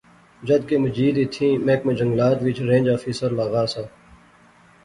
جد کہ مجید ایتھیں محکمہ جنگلات وچ رینج آفیسر لاغا سا